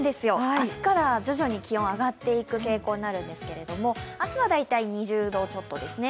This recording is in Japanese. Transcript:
明日から徐々に気温、上がっていく傾向になるんですけど明日は大体２０度ちょっとですね。